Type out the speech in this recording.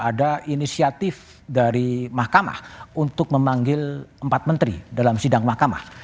ada inisiatif dari mahkamah untuk memanggil empat menteri dalam sidang mahkamah